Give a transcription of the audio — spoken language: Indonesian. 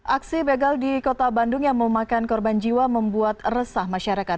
aksi begal di kota bandung yang memakan korban jiwa membuat resah masyarakat